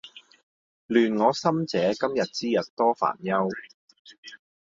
亂我心者，今日之日多煩憂！